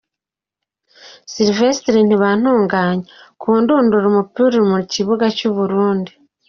Sylivestre Ntibantunganya, “Ku ndunduro, umupira uri mu kibuga cy’u Burundi”.